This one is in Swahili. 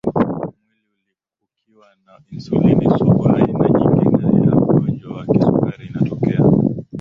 mwili ukiwa na insulini sugu aina nyingine ya ugonjwa wa kisukari inatokea